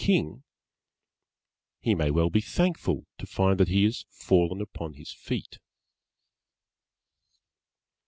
King, he may well be thankful to find he has fallen upon his feet.